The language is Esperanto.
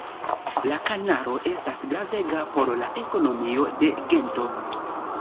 La kanalo estas gravega por la ekonomio de Gento.